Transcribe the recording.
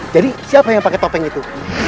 jadi siapa yang pakai topeng itu